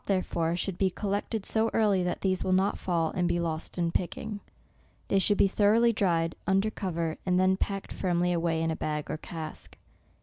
therefore, should be collected so early that these will not fall, and be lost in picking. They should be thoroughly dried, under cov er, and then packed firmly away in a bag or <;ask.